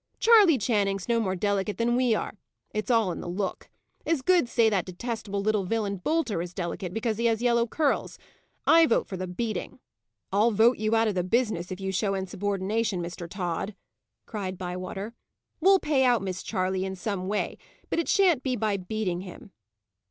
"Charley Channing's no more delicate than we are. It's all in the look. As good say that detestable little villain, Boulter, is delicate, because he has yellow curls. I vote for the beating." "I'll vote you out of the business, if you show insubordination, Mr. Tod," cried Bywater. "We'll pay out Miss Charley in some way, but it shan't be by beating him."